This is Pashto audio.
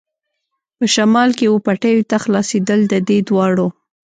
په شمال کې وه پټیو ته خلاصېدل، د دې دواړو.